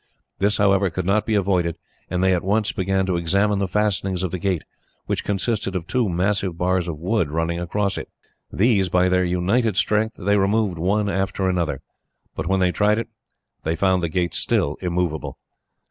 This, however, could not be avoided, and they at once began to examine the fastenings of the gate, which consisted of two massive bars of wood, running across it. These, by their united strength, they removed one after another. But when they tried it, they found the gate still immovable.